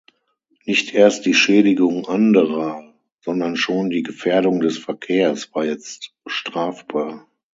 Nicht erst die Schädigung anderer, sondern schon die „Gefährdung des Verkehrs“ war jetzt strafbar.